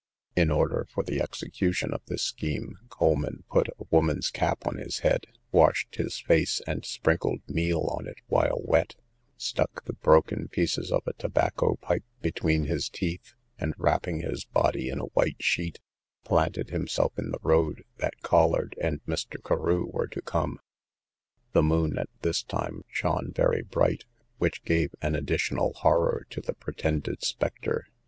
In order for the execution of this scheme, Coleman put a woman's cap on his head, washed his face, and sprinkled meal on it while wet, stuck the broken pieces of a tobacco pipe between his teeth, and wrapping his body in a white sheet, planted himself in the road that Collard and Mr. Carew were to come; the moon at this time shone very bright, which gave an additional horror to the pretended spectre.